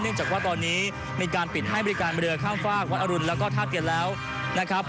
จากว่าตอนนี้มีการปิดให้บริการเรือข้ามฝากวัดอรุณแล้วก็ท่าเกียรแล้วนะครับ